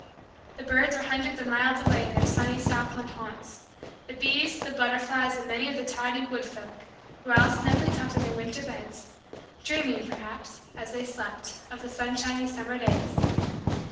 The birds were hundreds of miles away in their sunny southland haunts. The bees, the butterflies, and many of the tiny wood folk, were all snugly tucked in their winter beds, dreaming, perhaps, as they slept, of the sunshiny summer days.